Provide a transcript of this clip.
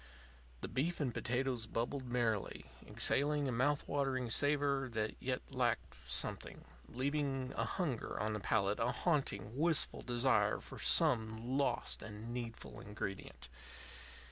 The beef and potatoes bubbled merrily, exhaling a mouth watering savor that yet lacked something, leaving a hunger on the palate, a haunting, wistful desire for some lost and needful ingredient.